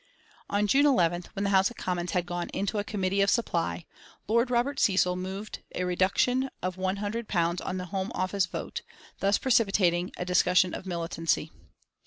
On June 11th, when the House of Commons had gone into a Committee of Supply, Lord Robert Cecil moved a reduction of 100 pounds on the Home Office vote, thus precipitating a discussion of militancy.